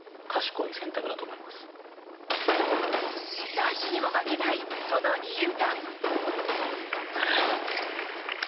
男子にも負けないその理由が。